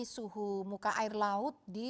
suhu muka air laut di